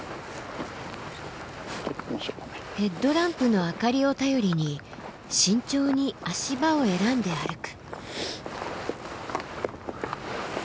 ヘッドランプの明かりを頼りに慎重に足場を選んで歩く。